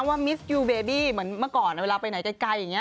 มิสยูเบบี้เหมือนเมื่อก่อนเวลาไปไหนไกลอย่างนี้